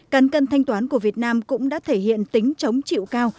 căn cân thanh toán của việt nam cũng đã thể hiện tính chống chịu cao